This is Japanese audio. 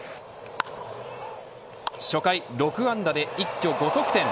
初回、６安打で一挙５得点。